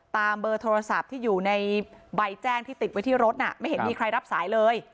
เบอร์โทรศัพท์ที่อยู่ในใบแจ้งที่ติดไว้ที่รถน่ะไม่เห็นมีใครรับสายเลย